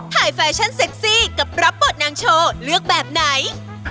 แฟชั่นเซ็กซี่กับรับบทนางโชว์เลือกแบบไหน